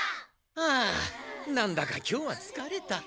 ああなんだか今日はつかれた。